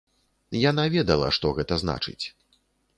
Яна ведала, што гэта значыць.